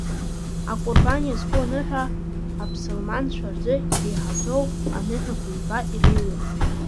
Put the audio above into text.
Акәырбан иазку аныҳәа аԥсылманцәа рзы Иреиҳаӡоу аныҳәақәа ҩба иреиуоуп.